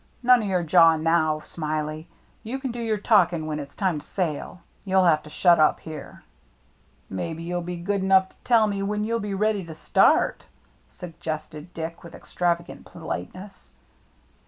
" None o' your jaw now. Smiley. You can do your talking when it's time to sail. You'll have to shut up here." " Maybe you'll be good enough to tell me when you'll be ready to start," suggested Dick, with extravagant politeness.